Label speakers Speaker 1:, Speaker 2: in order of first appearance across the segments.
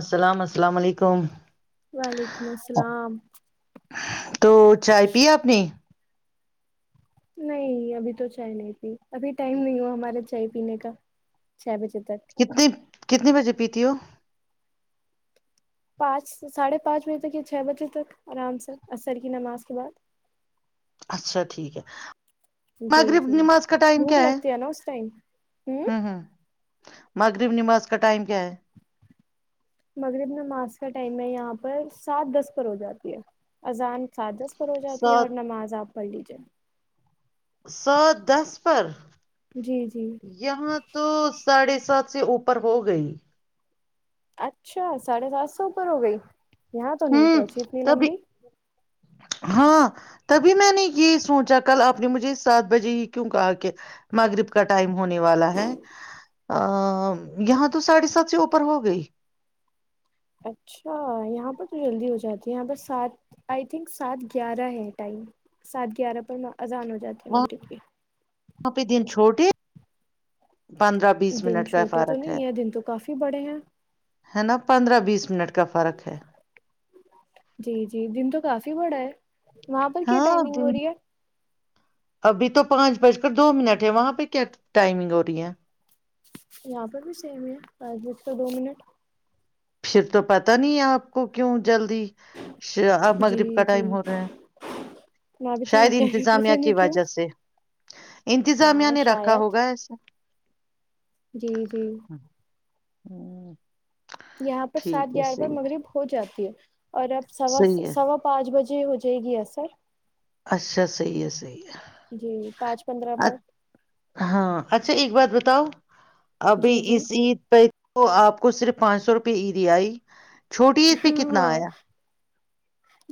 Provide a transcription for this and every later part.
Speaker 1: السلام السلام علیکم
Speaker 2: وعلیکم السلام
Speaker 1: تو چائے پی آپ نے
Speaker 2: نہیں ابھی تو چائے نہیں پی ابھی ٹائم نہیں ہوا ہمارے چائے پینے کا چھ بجے تک
Speaker 1: کتنے کتنے بجے پیتی ہو
Speaker 2: پانچ ساڑھے پانچ بجے تک یا چھ بجے تک آرام سے عسر کی نماز کے بعد
Speaker 1: اچھا ٹھیک ہے
Speaker 2: جی
Speaker 1: مغرب
Speaker 2: جی
Speaker 1: نماز کا ٹائم
Speaker 2: بوک
Speaker 1: کیا
Speaker 2: لتے ہے نا اس ٹائم ہوں
Speaker 1: ہ ہ مغرب نماز کا ٹائم کیا ہے؟
Speaker 2: مغرب میں ماس کا ٹائم ہے یہاں پر سات دس پر ہو جاتی ہے اذان سات دس ر ہو جاتی ہے
Speaker 1: سات
Speaker 2: اور نماز آپ پڈجن
Speaker 1: سات دس پرر
Speaker 2: جی جی
Speaker 1: یہاں تو ساڑھے سات سے اوپر ہو گئی
Speaker 2: اچھا ساڑھے سات سو اوپر ہو گئی یہاں تو نہیں
Speaker 1: ہوں
Speaker 2: پہنچی اتنی
Speaker 1: تبھی
Speaker 2: لمبی
Speaker 1: ہاں تبھی میں نے یہ سوچا کل آپ نے مجھے سات بجے ہی کیوں کہا کہ ماغرب کا ٹائم ہونے والا ہے یہاں تو ساڑھے سات سے اوپر ہو گئی
Speaker 2: اچھا یہاں پر تو جلدی ہو جاتی ہے یہاں پر سات آئی تھنک سات گیارہ ہے ٹائم سات گیارہ پر آذان ہو جاتی ہے مغرب کی
Speaker 1: وہ پہ دن چھوٹے پندرہ بیس
Speaker 2: دن
Speaker 1: منٹ کا
Speaker 2: چھوٹے تو
Speaker 1: فرق
Speaker 2: نہیں ہے دن تو کافی بڑے ہیں
Speaker 1: ہے نا پندرہ بیس منٹ کا فرق ہے
Speaker 2: جی جی دن تو کافی بڑا ہے وہاں پر کیا
Speaker 1: ہاں
Speaker 2: ٹائمنگ ہو
Speaker 1: دن
Speaker 2: رہی ہے
Speaker 1: ابھی تو پانچ بج کر دو منٹ ہے وہاں پہ کیا ٹائمنگ ہو رہی ہے
Speaker 2: یہاں پر بھی سیم ہے پانچ بج تو دو منٹ
Speaker 1: پھر تو پت نہیں ہے آپ کو کیوں جلدی اب
Speaker 2: جی
Speaker 1: مغرب کا
Speaker 2: جی
Speaker 1: ٹائم ہو رہا ہیں
Speaker 2: میں بھی تو یہ
Speaker 1: شاید
Speaker 2: کہہ رہی ہوں پتہ
Speaker 1: انتظامیہ
Speaker 2: نہیں
Speaker 1: کی
Speaker 2: کیوں
Speaker 1: وجہ سے انتظامیہ
Speaker 2: ہاں
Speaker 1: نے رکھا
Speaker 2: شاید
Speaker 1: ہوگا ایسے
Speaker 2: جی جی
Speaker 1: ہوں
Speaker 2: یہاں پر سات
Speaker 1: ٹھیک ہے
Speaker 2: گیارہ بار
Speaker 1: صحیح ہے
Speaker 2: مغرب ہو جاتی ہے اور اب سوا
Speaker 1: صحیح ہے
Speaker 2: سوا پانچ بجے جی ہو جائے گی سر
Speaker 1: اچھا صحیح ہے صحیح
Speaker 2: جی پانچ پندرہ
Speaker 1: ہے
Speaker 2: پر
Speaker 1: ہاں اچھا ایک بات بتاؤ ابھی
Speaker 2: جی جی
Speaker 1: اس عید پہ تو آپ کو صرف پانچ سو روپئے اییریائی چھوٹی پہ کتنا
Speaker 2: ہاں
Speaker 1: آیا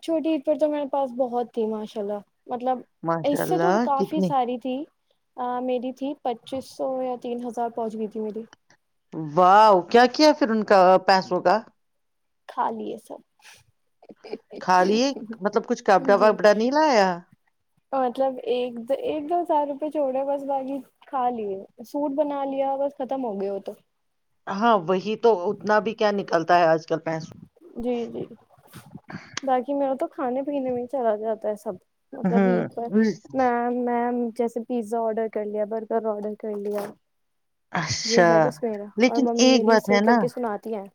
Speaker 2: چھوٹی عید پر تو میرے پاس بہت تھی ماشاءلہ مطلب
Speaker 1: ماشاء
Speaker 2: اس سے تو
Speaker 1: اللہ
Speaker 2: کافی
Speaker 1: کتنی
Speaker 2: ساری تھی میری تھی پچیس سو یا تین ہزار پہنچ گئی تھی میری
Speaker 1: واہ کیا کیا پھر ان کا پیسوں کا
Speaker 2: کھا لیے سب
Speaker 1: کھا لیے مطلب کچھ کپڑا
Speaker 2: جی
Speaker 1: وپڑا نہیں لایا
Speaker 2: مطلب ایک ایک دو ہزار روپئے چھوڑے بس باجی کھا لیے سوٹ بنا لیا بس ختم ہو گئے ہو تو
Speaker 1: ہاں وہی تو اتنا بھی کیا نکلتا ہے آج کل پیسوں
Speaker 2: جی جی باقی میرے تو کھانے پینے میں چلا جاتا ہے سب مطلب ع پر
Speaker 1: ہوں
Speaker 2: م م جیسے پیزا آرڈر کر لیا برگر آڈر کر لیا یہ
Speaker 1: اچھا
Speaker 2: ہے بس میرا اور
Speaker 1: لیکن
Speaker 2: ممی
Speaker 1: ایک
Speaker 2: میری
Speaker 1: بات
Speaker 2: صحیح
Speaker 1: ہے
Speaker 2: کر
Speaker 1: نا
Speaker 2: کے سناتی ہیں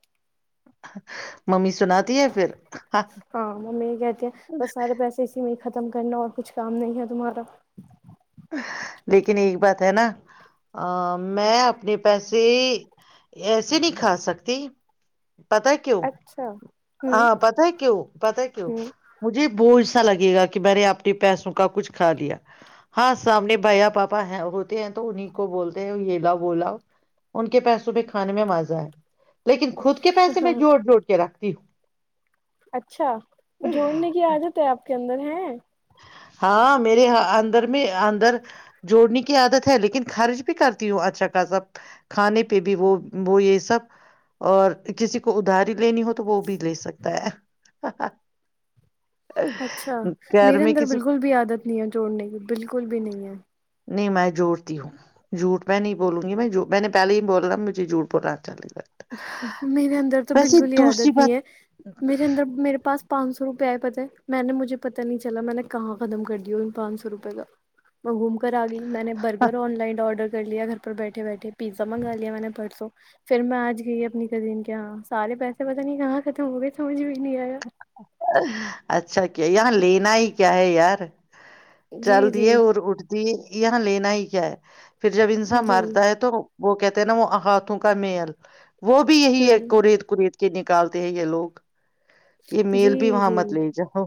Speaker 1: ممی سنا [unintelligible]
Speaker 2: ہاں مم یہ کہتی ہیں ب سارے پیسے اسی میں ختم کرنا اور کچھ کام نہیں ہے تمہارا
Speaker 1: لیکن ایک بات ہے نا میں اپنے پیسے ایسے نہیں کھا سکتی پتا کیوں
Speaker 2: اچھا ہوں
Speaker 1: ہاں پتا کیوں پتا کیوں
Speaker 2: ہوں
Speaker 1: مجھے بوجھ اھا لگے گا کہ میں نے اپنے پیسوں کا کچھ کھا لیا ہاں سامنے بھیا پاپا ہوتے ہیں تو انیں کو بولتے ہیں یہ لاؤ وہ لاؤ ان کے پیسوں بھی کھانے میں مزہ آئے لیکن خود کے پیسے میں جوڑ جوڑ کے رکھ ت [unintelligible]
Speaker 2: اچھا جوڑنے کی عادت ہے آپ کے اندر ہیں [unintelligible]
Speaker 1: ہاں میرے اندر میں اندر جوڑنے کی عادت ہے لیکن خرچ بھی کرتی ہوں اچھا خاصا کھانے پہ بھی وہ وہ یہ سب اور کسی کو ادھاری لینی ہو تو وہ بھی لے سکتا ہے ا
Speaker 2: اچھا
Speaker 1: [inaudible]
Speaker 2: میرے اندر بالکل بھی عادت نہیں ہے جوڑنے کی بالکل بھی نہیں ہے
Speaker 1: نہیں میں جوڑتی ہوں جھٹ میں نہیں بولوں گی میں میں نے پہلے ہی بولنا مجھے جھوٹ بولناچلےی
Speaker 2: میرے اندر تو بالکل ہی
Speaker 1: دوسری
Speaker 2: عادت نہیں
Speaker 1: بات
Speaker 2: ہے میرے اندر میرے پاس پانچ سو روپئے آئے پت ہے میں نے مجھے پتا نہیں چلا میں نے کہاں ختم کر دیا ان پانچ سو روپے کا میں گھوم کر آ گئی میں نے برگر آن لائن آرڈر کر لیا گھر پر بیٹھے بیٹھے پیزا منگا لیا میں نے پرسوں پھر میں آج [unintelligible] گئی اپنی کزن کیااں سارے پیسے پتہ نہیں کہاں ختم ہو گئے تھے مجھ بھی نہیں آیا
Speaker 1: اچھا [unintelligible] کیا یہاں لینا ہی کیا ہے یار چل
Speaker 2: جی
Speaker 1: دی
Speaker 2: جی
Speaker 1: ہے اور اٹھ دی ہے یہاں لین ہی کیا ہے پھر جب انسان
Speaker 2: جی
Speaker 1: مرتا ہے تو وہ کہتے ہیں نا وہ ہاتھوں کا میل وہ بھی یہی ہے
Speaker 2: ہوں
Speaker 1: کوریت کوریت کے نکالتے ہی یہ لوگ [unintelligible] یہ میل بھی
Speaker 2: جی
Speaker 1: وہاں
Speaker 2: جی
Speaker 1: مت لے جاؤ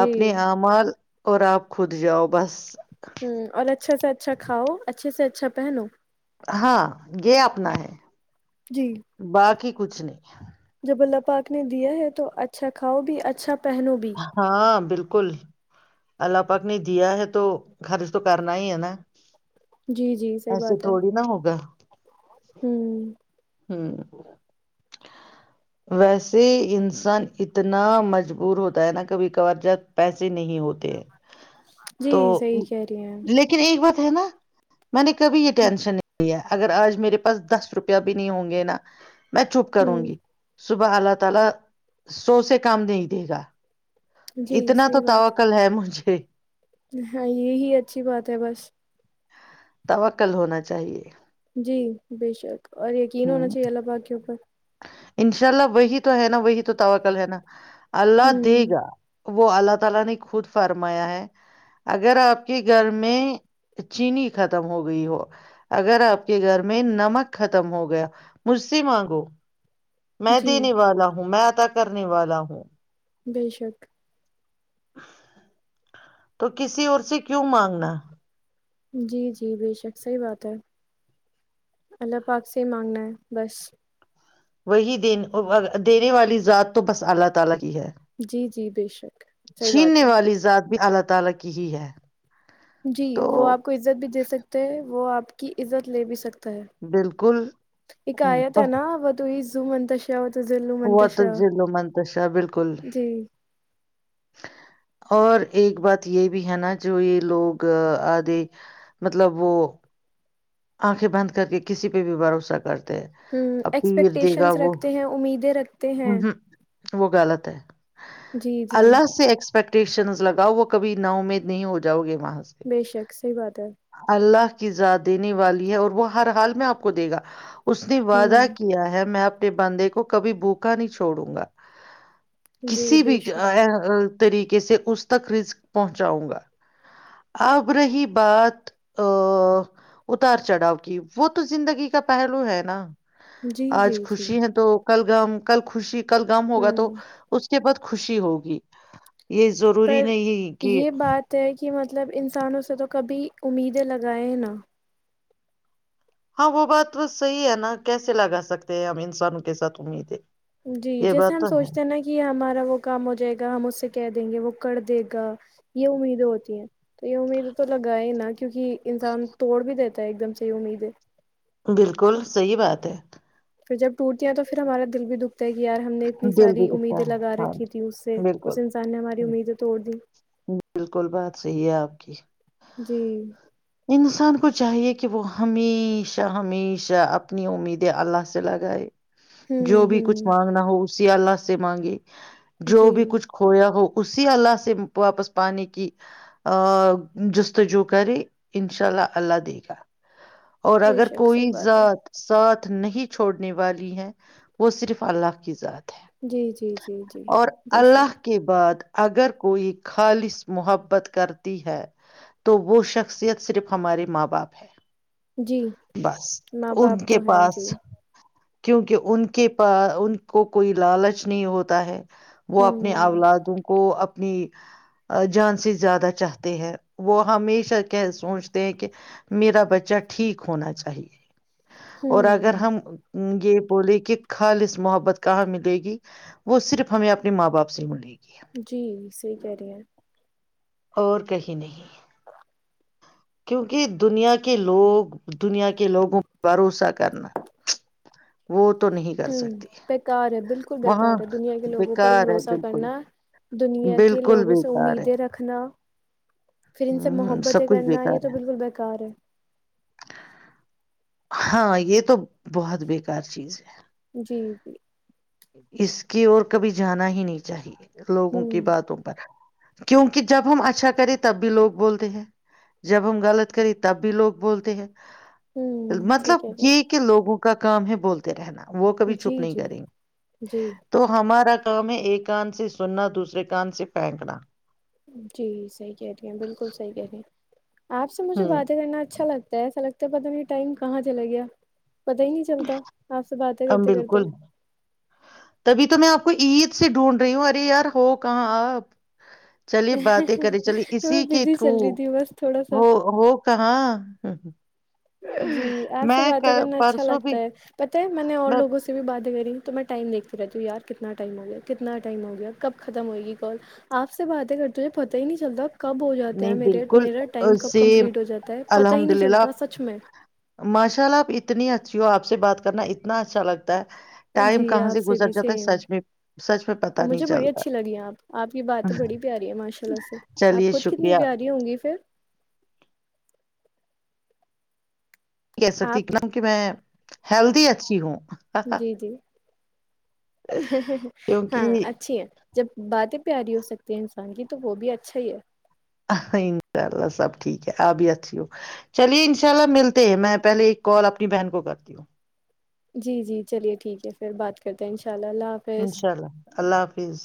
Speaker 1: اپپ نے امر اور آپ خود جاؤ بس
Speaker 2: ہ اور اچھا سے اچھا کھاؤ اچھے سے اچھا پہنو
Speaker 1: ہاں یہ اپنا ہے [unintelligible]
Speaker 2: جی
Speaker 1: باقی کچھ نہیں
Speaker 2: بلہ پاک نے دیا ہے تو اچھا کھاؤ بھی اچھا پہنو بھی
Speaker 1: ہاں بالکل بال کل اللہ پاک نے دیا ہے تو خرچ تو کرنا ہی ہے نا
Speaker 2: جی جی صحیح
Speaker 1: ایسے
Speaker 2: بات ہے
Speaker 1: تھوڑی نہا ہوگا
Speaker 2: ہوں
Speaker 1: ہ ویسے انسان اتنا مجبور ہوتا ہے نا کبھی کبار جات پیسے نہیں ہوتے ہیں تو
Speaker 2: جی صحیح کہہ رہی ہیں آپ۔
Speaker 1: لیکن ایک بات ہے نا میں نے کبھی یہ ٹینشن نہیں لیا اگر آج میرے پاس دس روپیہ بھی نہیں ہوں گے نا میں چوپ کروں
Speaker 2: ہوں
Speaker 1: گی صبح اللہ تعالی سو سے کام نہیں دے گا
Speaker 2: جی
Speaker 1: اتنا تو
Speaker 2: صحیح بات
Speaker 1: توکل ہے مجھے
Speaker 2: ہاں یہی اچھی بات ہے بس
Speaker 1: توکل ہونا چاہیے
Speaker 2: جی بے شک اور یقین
Speaker 1: ہ
Speaker 2: ہونا چاہیے اللہ بااک کے اوپر
Speaker 1: انشاء اللہ وہی تو تو ہے نا وہی تو تو کل ہے نا اللہ دے
Speaker 2: ہوں
Speaker 1: گا وہ اللہ تعالی نے خود فرمایا ہے اگر آپ کے گھر میں چینی ختم ہو گئی ہو اگر آپ کے گھر میں نمک ختم ہو گیا مجھ سے مانگو میں
Speaker 2: جی
Speaker 1: دینے والا ہوں میں پت کرنے والا ہ
Speaker 2: بے شک
Speaker 1: تو کسی اور سے کیوں مانگنا
Speaker 2: جی جی بے شک صحیح بات ہے اللہ پاک سے ہی مانگنا ہے بس
Speaker 1: وہی د دینے والی ذات تو بس اللہ تعالی و
Speaker 2: جی جی بے شک صحیح بات
Speaker 1: چھیننے
Speaker 2: ہے
Speaker 1: والی ذات بھی اللہ تعالی کی ہی ہے
Speaker 2: جی
Speaker 1: تو
Speaker 2: وہ آپ کو عزت بھی دے سکتے ہیں وہ آپ کی عزت لے بھی سکتے
Speaker 1: بالکل
Speaker 2: اکیت ہے نا وہ ت ز من ت
Speaker 1: ہوا تو دلو منتشا بالکل
Speaker 2: جی
Speaker 1: اور ایک بات یہ بھی ہے نا جو یہ لوگ آھے مطلب وہ آنکھیں بند کر کے کسی پہ بھی بھروسہ کرتے ہیں
Speaker 2: ہ
Speaker 1: اب پیر دے گا
Speaker 2: ایکسپیکٹیشنس
Speaker 1: وہ
Speaker 2: رکھتے ہیں امیدیں رکھتے ہیں
Speaker 1: ہمم وہ غلط ہے
Speaker 2: جی جی
Speaker 1: اللہ سے ایکسپیکٹیشن لگاؤا کبھی ات امید نہیں ہو جاؤ گے
Speaker 2: بے شک صحیح بات ہے
Speaker 1: اللہ کی زیاد دینے والی ہے اور وہ ہر حال میں آپ کو دے گا اس نے وعدہ
Speaker 2: ہوں
Speaker 1: کیا ہے میں آپ بندے کو کبھی بھوکا نہیں چھوڑوں گا
Speaker 2: جی
Speaker 1: کسی
Speaker 2: بے
Speaker 1: بھی
Speaker 2: شک
Speaker 1: طریقے سے اس تک رسک پہنچاؤں گا اب رہی بات اتار چڑھاؤ کی وہ تو زندگی کا پہلو ہے نا
Speaker 2: جی
Speaker 1: آج
Speaker 2: جی جی
Speaker 1: خوشی ہے تو کلگام کل خوشی کل گم ہوگا تو
Speaker 2: ہوں
Speaker 1: اس اس کے بعد خوشی ہوگی یہ ضروری
Speaker 2: پر
Speaker 1: نہیں کہ
Speaker 2: یہ بات ہے کہ مطلب انسانوں سے تو کبھی امیدیں لگائائےیں نا
Speaker 1: ہاں وہ بات تو صحیح ہے نا کیسے لگا سکتے ہیں ہم انسانوں کے ساتھ امید ہے
Speaker 2: جی جیسے ہم سوچتے ہیں نا کہ ہمارا وہ کام ہو جائے گا ہم اس سے کہ دیں گے وہ کر دے گا یہ امیدیں ہوتی ہیں تو یہ امید تو لگاائے نا کیونکہ انسان توڑ بھی دیتے ایک دم سےی امید ہے
Speaker 1: بالکل صحی بات ہے
Speaker 2: پ جب ٹوٹیا تو پھر ہمارا د بھی دکھ کہ یار ہم نے اتنی
Speaker 1: دل
Speaker 2: ساری
Speaker 1: بھی دکھتا
Speaker 2: امیدیں لگا
Speaker 1: ہے ہاں
Speaker 2: رکھی تھی اس سے اس
Speaker 1: بالکل
Speaker 2: انسان نے ہماری امید توڑ دی
Speaker 1: بالکل بات صحیح ہے آپ کی
Speaker 2: جی
Speaker 1: انسان کو چاہیے کہ وہ ہمیشہ ہمیشہ اپنی امیدیں اللہ سے لگائے
Speaker 2: ہوں
Speaker 1: جو بھی کچھ
Speaker 2: ہوں
Speaker 1: مانگنا ہو اسسیی آا سے مانگے جو
Speaker 2: جی
Speaker 1: بھی کچھ کویا ہو اسی اللہ سے واپس پانے کی ا جستجو کرے انشاء اللہ اللہ دے گا اور
Speaker 2: بے
Speaker 1: اگر
Speaker 2: شک صحیح
Speaker 1: کوئی
Speaker 2: بات ہے
Speaker 1: ذات سات نہیں چھوڑنے والی ہے وہ صرف اللہ کے کی سات
Speaker 2: جی جی جی جی بے شک
Speaker 1: اللہ کے بعد اگر کوئی خالص محبت کرتی ہے تو وہ شخصیت صرف ہمارے ماں باپ ہے
Speaker 2: جی
Speaker 1: بس
Speaker 2: ماں
Speaker 1: ان
Speaker 2: باپ
Speaker 1: کے
Speaker 2: تو ہیں
Speaker 1: پاس
Speaker 2: جی
Speaker 1: کیونکہ ان کے پا ان کو کوئی لالچ نہیں ہوتا ہے وہ اپنے
Speaker 2: ہوں
Speaker 1: اولادوں کو اپنی جان سے زیادہ چاہتے ہیں وہ ہمیشہ کہ سوچتے ہیں کہ میرا بچہ ٹھیک ہونا چاہیے اور اگر
Speaker 2: ہوں
Speaker 1: ہم یہ بولے کہ کھال اس محبت کو کہاں ملے گی وہ صرف ہمیں اپنے ماں باپ سے ملے گی
Speaker 2: جی صحی کہہ رہی ہیں
Speaker 1: اور کہیں نہیں کیونکہ دنیا کے لوگ دنیا کے لوگوں بھروسہ کرنا وہ تو تو نہیں کر سکتی
Speaker 2: بار ہے بالکل
Speaker 1: وہاں
Speaker 2: بکار ہے دنیا کے لوگوں پر
Speaker 1: بیکار ہے
Speaker 2: بھروسہ
Speaker 1: بالکل
Speaker 2: کرنا دنیا کے
Speaker 1: بالکل
Speaker 2: لوگوں سے
Speaker 1: بیکار ہے
Speaker 2: امیدیں رکھنا پھر ان سے
Speaker 1: ہوں سب
Speaker 2: محبتیں
Speaker 1: کچھ
Speaker 2: کرنا یہ
Speaker 1: بیکار
Speaker 2: تو
Speaker 1: ہے
Speaker 2: بالکل بکار ہے
Speaker 1: ہاں یہ تو بہت بیکار چیز ہے
Speaker 2: جی جی
Speaker 1: اس کی اور کبھی جانا ہی نہیں چاہیے لوگوں کی
Speaker 2: ہوں
Speaker 1: باتوں پر کیونکہ جب ہم اچھا کرے تب بھی لوگ بولتے ہیں جب ہم غلط کریں تب بھی لوگ بولتے ہیں
Speaker 2: ہوں صحیح
Speaker 1: مطلب
Speaker 2: کہہ رہی
Speaker 1: یہ کہ لوگوں کو کا کام ہے بولتے رہنا وہ کبھی
Speaker 2: ہیں جی
Speaker 1: چھپ نہیں
Speaker 2: جی
Speaker 1: کریں گے
Speaker 2: جی
Speaker 1: تو ہمارا کام ہے ایک کان سے سننا دوسرے کان سے پھینکنا
Speaker 2: جی صحیح کہہ رہی ہیں بالکل صحیح کہہ رہی ہیں آپ سے مجھے
Speaker 1: ہوں
Speaker 2: باتیں کرنا اچھا لگتا ہے ایسا لگتا ہے تو پت نہیں ٹائم کہاں چلا گیا پتا ہی نہیں چلتا آپ سے باتیں
Speaker 1: ہم
Speaker 2: کرتے کرتے
Speaker 1: بالکل تبھی تو میں آپ کو عید سے ڈھونڈ رہی ہوں ارے یار ہو کہاں آ چلیے باتیں کرے چلیے
Speaker 2: میں
Speaker 1: اسی کے
Speaker 2: بزی
Speaker 1: تھرو
Speaker 2: چل رہی تھی بس تھوڑا سا
Speaker 1: ہو ہو کہاں ہاں ہاں
Speaker 2: جی آپ سے باتیں کرنا اچھا
Speaker 1: پرسوں بھی
Speaker 2: لگتا ہے پتہ ہے میں نے اور لوگوں سے بھی باتیں کری تو میں ٹائم دیکھتی رہتی ہوں یار کتنا ٹائم ہو گیا کتنا ٹائم ہو گیا کب ختم ہو گی کال آپ سے باتیں کر تجھے پتہ ہی نہیں چلتا کب ہو جاتے ہیں
Speaker 1: نہیں
Speaker 2: میرے
Speaker 1: بالکل
Speaker 2: میرا ٹائم کب
Speaker 1: سیم
Speaker 2: کمپلیٹ ہو جاتا ہے پتہ ہی
Speaker 1: الحمد
Speaker 2: نہیں
Speaker 1: للہ
Speaker 2: چلتا
Speaker 1: آپ
Speaker 2: سچ
Speaker 1: ماشاء اللہ آپ اتنی اچھی ہو آپ سے بات کرنا اتنا اچھا لگتا ہے
Speaker 2: جی
Speaker 1: ٹائم کہاں
Speaker 2: آپ سے
Speaker 1: گزر
Speaker 2: بھی
Speaker 1: جاتا ہے
Speaker 2: سیم
Speaker 1: سچ میں سچ میں پتا نہیں
Speaker 2: مجھے بڑی اچھی
Speaker 1: چلتا
Speaker 2: لگی آپ آپ کی باتیں بڑی پیاری ہیں ماشاء اللہ سے آپ
Speaker 1: چلیے
Speaker 2: خود ک کتنی
Speaker 1: شکریہ
Speaker 2: پیاری ہوں گی پھر
Speaker 1: نہیں کہہ سکتی
Speaker 2: آپ
Speaker 1: نک میں ہیلدی اچھی ہوں
Speaker 2: جی جی ہاں
Speaker 1: کیونکہ
Speaker 2: اچھی ہے جب باتیں پیاری ہو سکتی ہے انسان کی تو وہ بھی اچھا ہی ہے
Speaker 1: انشاء اللہ سب ٹھیک ہے آپ ہی اچھی ہو چلیے انشاء اللہ ملتے ہیں میں پہلے ایک کال اپنی بہن کو کرتی ہوں
Speaker 2: جی جی چلیے ٹھیک ہے پھر بات کرتے ہیں انء
Speaker 1: انشاء اللہ اللہ حافظ